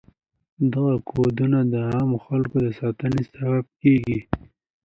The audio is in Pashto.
دغه کودونه د عامو خلکو د ساتنې سبب کیږي.